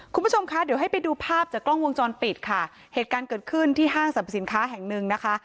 คุณผู้ชมคะเดี๋ยวให้ไปดูภาพจากกล้องวงจรปิดค่ะเหตุการณ์เกิดขึ้นที่ห้างสรรพสินค้าแห่งหนึ่งนะคะ